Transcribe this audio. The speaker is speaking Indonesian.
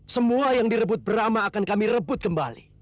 semua yang direbut drama akan kami rebut kembali